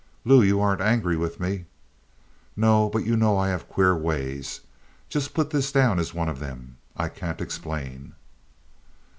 "Lou, you aren't angry with me?" "No. But you know I have queer ways. Just put this down as one of them. I can't explain."